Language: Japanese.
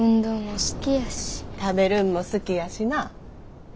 食べるんも好きやしな。